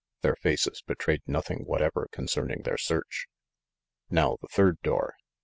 Their faces betrayed nothing whatever concerning their search. "Now, the third door!"